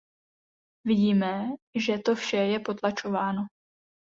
Vidíme, že to vše je potlačováno.